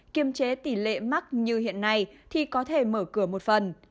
kiềm chế tỷ lệ mắc như hiện nay thì có thể mở cửa một phần